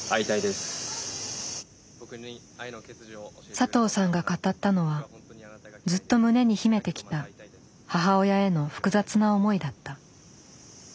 佐藤さんが語ったのはずっと胸に秘めてきた母親への複雑な思いだった。